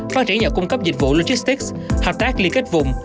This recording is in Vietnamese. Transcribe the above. phát triển nhà cung cấp dịch vụ logistics hợp tác liên kết vùng